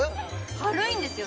軽いんですよ